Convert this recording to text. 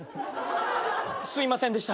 すいませんでした。